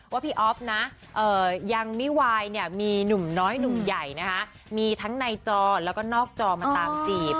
พี่อ๊อฟนะยังไม่วายเนี่ยมีหนุ่มน้อยหนุ่มใหญ่นะคะมีทั้งในจอแล้วก็นอกจอมาตามจีบ